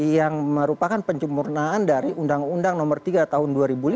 yang merupakan penyempurnaan dari undang undang nomor tiga tahun dua ribu lima